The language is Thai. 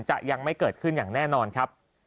จะยังไม่เกิดขึ้นอย่างแน่นอนครับ